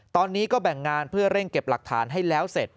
ตอนนี้ก็แบ่งงานเพื่อเร่งเก็บหลักฐานให้แล้วเสร็จ